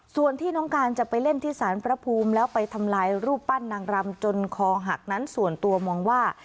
ส่วนที่น้องการจะไปเล่นที่สารพระภูมิแล้วไปทำลายรูปปั้นนางรำจนคอหักนั้นส่วนตัวมองว่า